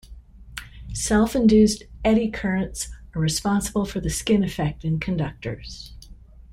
Self-induced eddy currents are responsible for the skin effect in conductors.